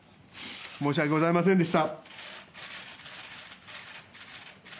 申し訳ございませんでした。